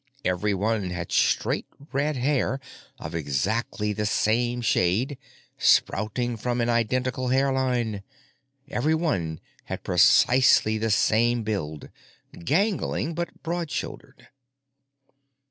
Every one had straight red hair of exactly the same shade, sprouting from an identical hairline. Every one had precisely the same build—gangling but broad shouldered.